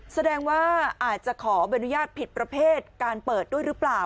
แสดงว่าอาจจะขอใบอนุญาตผิดประเภทการเปิดด้วยหรือเปล่า